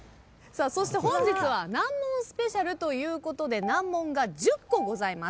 そして本日は難問ＳＰということで難問が１０個ございます。